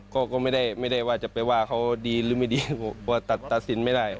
ก็ไม่ได้ว่าจะไปว่าเขาดีหรือไม่ดีว่าตัดตัดสินไม่ได้